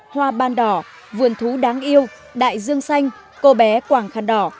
hoa ban đỏ vườn thú đáng yêu đại dương xanh cô bé quảng khăn đỏ